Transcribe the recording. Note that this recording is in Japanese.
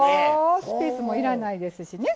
スペースもいらないですしね